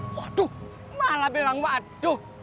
waduh malah bilang waduh